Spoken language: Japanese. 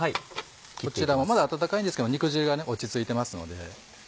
こちらもまだ温かいんですけど肉汁が落ち着いてますので。